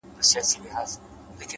هره تېروتنه د پوهې نوی درس دی’